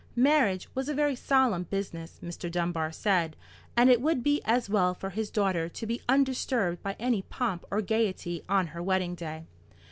Marriage was a very solemn business, Mr. Dunbar said, and it would be as well for his daughter to be undisturbed by any pomp or gaiety on her wedding day.